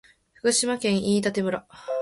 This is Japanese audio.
福島県飯舘村